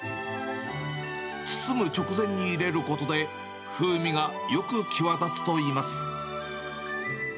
包む直前に入れることで、風味がよく際立つといいます。